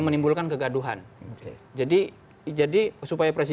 terima kasih roms